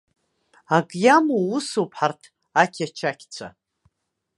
Ак иамоу усуп ҳарҭ ақьачақьцәа!